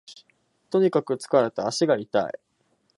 とにかく疲れた、足が痛い